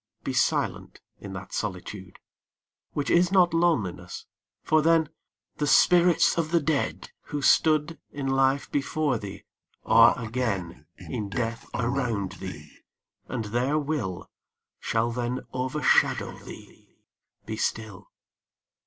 Be silent in that solitude Which is not loneliness for then The spirits of the dead who stood In life before thee are again In death around thee and their will Shall overshadow thee: be still.